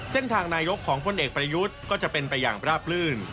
เส้นทางนายก์ยกของคนเอกประยุทธ์ก็จะเป็นไปอย่างประปลื้น